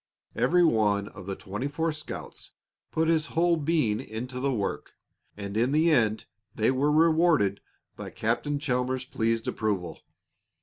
Every one of the twenty four scouts put his whole being into the work, and in the end they were rewarded by Captain Chalmers's pleased approval.